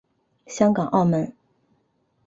香港澳门